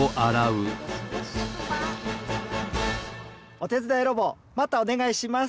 おてつだいロボまたおねがいします。